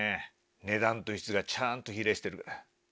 値段と質がちゃんと比例してる。